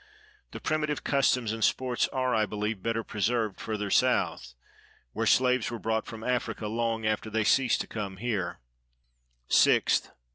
The primitive customs and sports are, I believe, better preserved further south, where slaves were brought from Africa long after they ceased to come here. 6th.